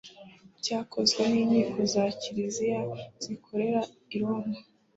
byakozwe n inkiko za kiliziya zikorera i roma